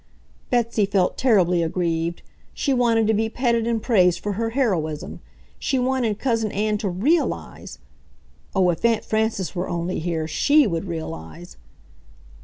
Betsy felt terribly aggrieved. She wanted to be petted and praised for her heroism. She wanted Cousin Ann to REALIZE ... oh, if Aunt Frances were only there, SHE would realize...!